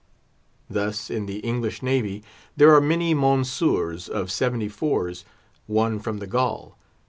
Thus, in the English Navy, there are many Monsieurs of seventy fours won from the Gaul.